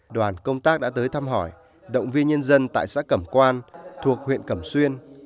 đoàn công tác đã tới thăm hỏi động viên nhân dân tại xã cẩm quan thuộc huyện cẩm xuyên